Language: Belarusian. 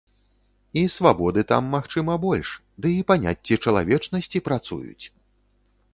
І свабоды там, магчыма, больш, ды і паняцці чалавечнасці працуюць!